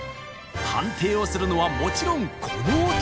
判定をするのはもちろんこの男。